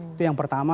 itu yang pertama